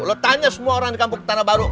lo tanya semua orang di kampung tanah baru